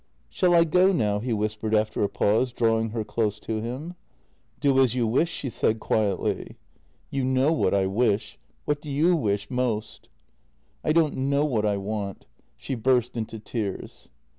" Shall I go now ?" he whispered after a pause, drawing her close to him. " Do as you wish," she said quietly. " You know what I wish. What do you wish — most? "" I don't know what I want." She burst into tears.